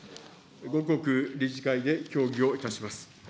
後刻、理事会で協議をいたします。